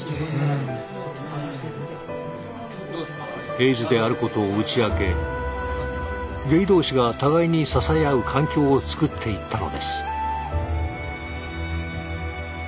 エイズであることを打ち明けゲイ同士が互いに支え合う環境をつくっていったのです。